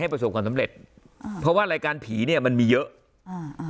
ประสบความสำเร็จอ่าเพราะว่ารายการผีเนี้ยมันมีเยอะอ่าอ่า